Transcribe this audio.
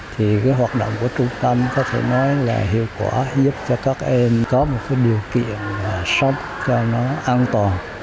thì cái hoạt động của trung tâm có thể nói là hiệu quả giúp cho các em có một cái điều kiện sống cho nó an toàn